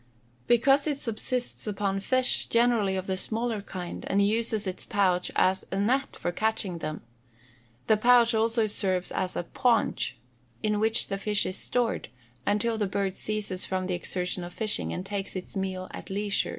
_ Because it subsists upon fish, generally of the smaller kind, and uses its pouch as a net for catching them; the pouch also serves as a paunch, in which the fish are stored, until the bird ceases from the exertion of fishing, and takes its meal at leisure.